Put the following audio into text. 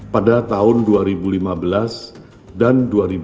pada tahun dua ribu lima belas dan dua ribu delapan belas